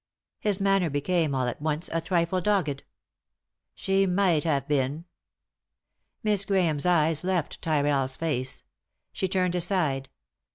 His manner be came, all at once, a trifle dogged. " She might have been." Miss Grahame's eyes left Tyrrell's face. She turned aside.